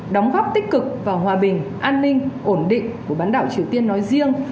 đóng góp tích cực vào hòa bình an ninh ổn định của bán đảo triều tiên nói riêng